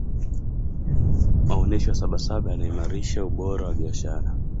maonesha ya sabasaba yanaimarisha ubora wa biashara